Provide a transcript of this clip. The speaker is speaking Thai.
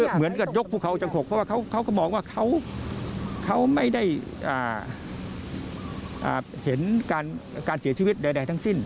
เหมือนกับยกภูเขาจังหกเพราะว่าเขาก็มองว่าเขาไม่ได้เห็นการเสียชีวิตใดทั้งสิ้น